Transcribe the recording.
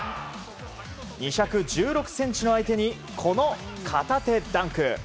２１６ｃｍの相手にこの片手ダンク。